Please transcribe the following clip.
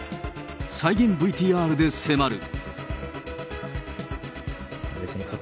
再現ＶＴＲで迫る。